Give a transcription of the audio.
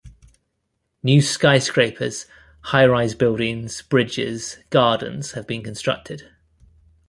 New skyscrapers, high-rise buildings, bridges, gardens have been constructed.